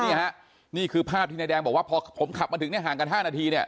นี่ฮะนี่คือภาพที่นายแดงบอกว่าพอผมขับมาถึงเนี่ยห่างกัน๕นาทีเนี่ย